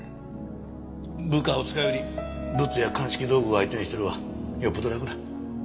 部下を使うよりブツや鑑識道具を相手にしてるほうがよっぽど楽だ。